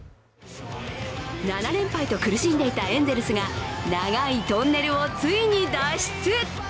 ７連敗と苦しんでいたエンゼルスが長いトンネルをついに脱出。